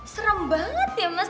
serem banget ya mas